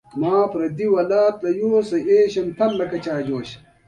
بې پروايي بد دی.